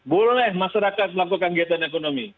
boleh masyarakat melakukan kegiatan ekonomi